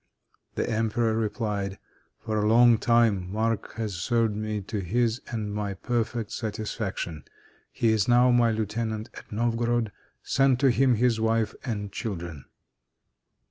The emperor replied: "For a long time Marc has served me to his and my perfect satisfaction. He is now my lieutenant at Novgorod. Send to him his wife and children."